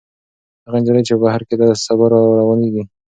هغه نجلۍ چې په بهر کې ده، سبا راروانېږي.